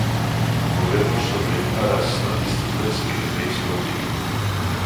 Volvemos sobre unha das grandes cifras que nos deixa o día.